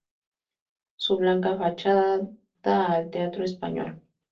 Su blanca fachada da al Teatro Español.